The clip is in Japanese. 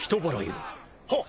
はっ！